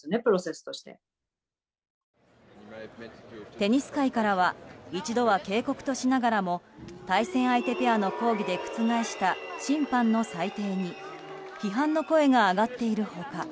テニス界からは一度は警告としながらも対戦相手ペアの抗議で覆した審判の裁定に批判の声が上がっている他